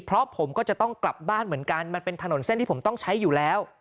เพราะผมก็จะต้องกลับบ้านเหมือนกันมันเป็นถนนเส้นที่ผมต้องใช้อยู่แล้ว